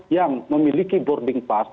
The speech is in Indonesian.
yang memiliki boarding pass